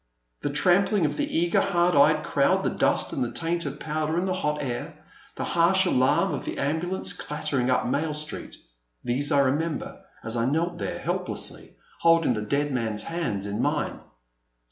The trampling of the eager hard eyed crowd, the dust and taint of powder in the hot air, the harsh alarm of the ambulance clattering up Mail Street, — these I remember, as I knelt there, help lessly holding the dead man's hands in qiine.